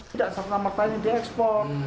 tidak serta merta ini diekspor